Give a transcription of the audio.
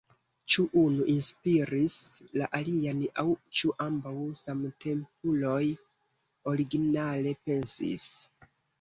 Ĉu unu inspiris la alian aŭ ĉu ambaŭ, samtempuloj, originale pensis?